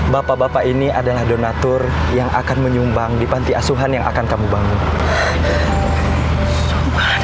bapak bapak ini adalah donatur yang akan menyumbang di panti asuhan yang akan kamu bangun